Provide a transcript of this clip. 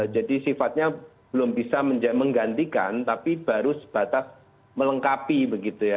jadi sifatnya belum bisa menggantikan tapi baru sebatas melengkapi begitu ya